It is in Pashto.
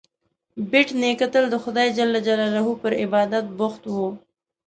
بېټ نیکه تل د خدای جل جلاله پر عبادت بوخت و.